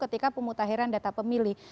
ketika pemutahiran data pemilih